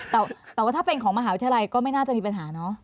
แต่ว่าถ้าเป็นของมหาวิทยาลัยก็ไม่น่าจะมีปัญหาเนอะ